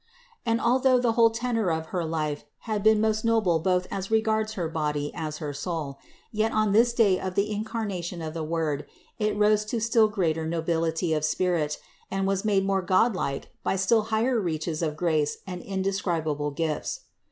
And although the whole tenor of her life had been most noble both as regards her body as her soul; yet on this day of the incarnation of the Word it rose to still greater nobility of spirit and was made more godlike by still higher reaches of grace and indescribable gifts.